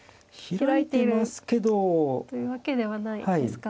開いてますけど。というわけではないですか。